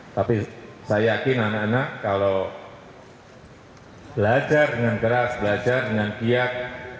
tapi saya yakin anak anak kalau belajar dengan keras belajar dengan giat